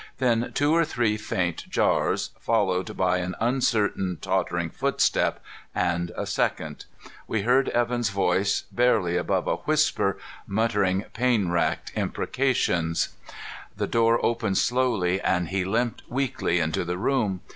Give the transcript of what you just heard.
Then two or three faint jars, followed by an uncertain, tottering footstep, and a second. We heard Evan's voice, barely above a whisper, muttering pain racked imprecations. The door opened slowly and he limped weakly into the room.